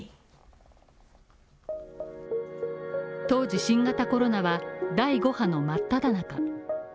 当時新型コロナは第５波の真っただ中。